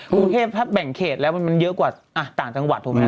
กรุงเทพถ้าแบ่งเขตแล้วมันเยอะกว่าต่างจังหวัดถูกไหม